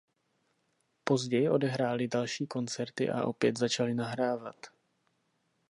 Později odehráli další koncerty a opět začali nahrávat.